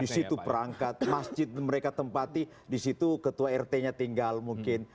di situ perangkat masjid mereka tempati di situ ketua rt nya tinggal mungkin